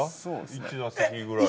１打席ぐらい。